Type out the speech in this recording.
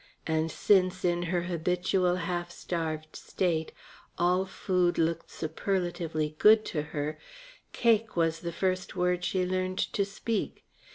And since, in her habitual half starved state, all food looked superlatively good to her, cake was the first word she learned to speak.